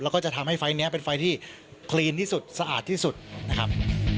แล้วก็จะทำให้ไฟล์นี้เป็นไฟล์ที่คลีนที่สุดสะอาดที่สุดนะครับ